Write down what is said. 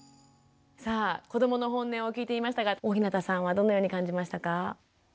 さあ子どもの本音を聞いてみましたが大日向さんはどのように感じましたか？